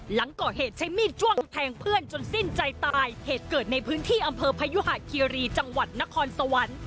หลังก่อเหตุใช้มีดจ้วงแทงเพื่อนจนสิ้นใจตายเหตุเกิดในพื้นที่อำเภอพยุหะคีรีจังหวัดนครสวรรค์